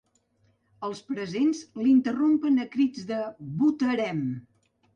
Els presents l’interrompen a crits de votarem.